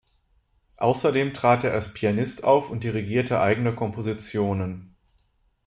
Außerdem trat er als Pianist auf und dirigierte eigene Kompositionen.